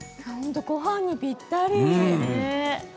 ごはんにぴったり。